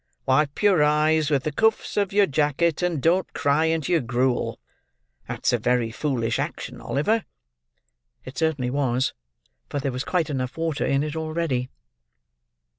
Wipe your eyes with the cuffs of your jacket, and don't cry into your gruel; that's a very foolish action, Oliver." It certainly was, for there was quite enough water in it already.